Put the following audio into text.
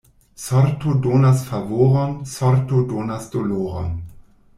Sorto donas favoron, sorto donas doloron.